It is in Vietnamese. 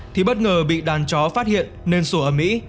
thì bất ngờ bị đàn chó phát hiện nên sổ ấm ý